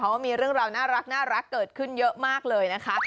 ว่ามีเรื่องราวน่ารักเกิดขึ้นเยอะมากเลยนะคะ